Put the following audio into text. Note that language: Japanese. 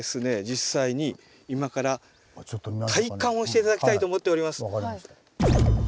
実際に今から体感をして頂きたいと思っております。